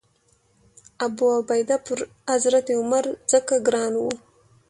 ابوعبیده پر حضرت عمر ځکه ګران و.